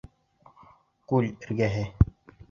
Күл эргәһе.